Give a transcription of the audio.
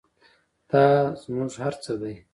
دا زموږ هر څه دی